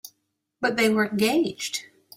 But they were engaged.